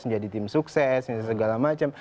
menjadi tim sukses segala macam